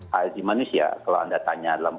haji manusia kalau anda tanya dalam